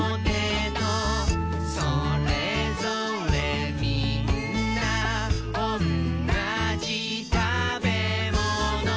「それぞれみんなおんなじたべもの」